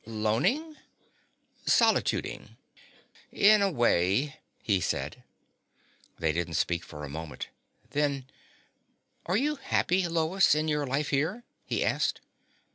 "Loning?" "Solituding." "In a way," he said. They didn't speak for a moment. Then, "Are you happy, Lois, in your life here?" he asked.